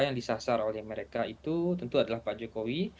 yang disasar oleh mereka itu tentu adalah pak jokowi